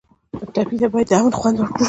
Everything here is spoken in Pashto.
ټپي ته باید د امن خوند ورکړو.